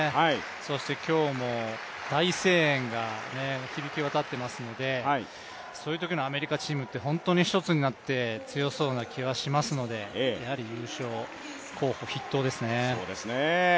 そして今日も、大声援が響き渡っていますので、そういうときのアメリカチームって本当に一つになって強そうな気がしますのでやはり優勝候補筆頭ですね。